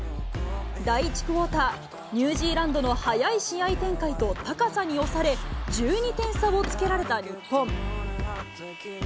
第１クオーター、ニュージーランドの早い試合展開と、高さに押され、１２点差をつけられた日本。